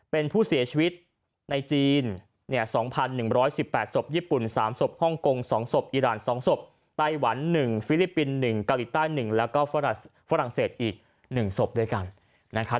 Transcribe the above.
เป็นผู้เสียชีวิตในจีน๒๑๑๘ศพญี่ปุ่น๓ศพฮ่องกง๒ศพอีราน๒ศพไต้หวัน๑ฟิลิปปินส์๑เกาหลีใต้๑แล้วก็ฝรั่งเศสอีก๑ศพด้วยกันนะครับ